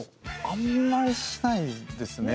あんまりしないですね。